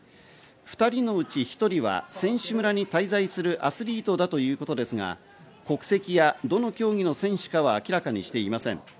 ２人のうち１人は選手村に滞在するアスリートだということですが、国籍や、どの競技の選手かは明らかにしていません。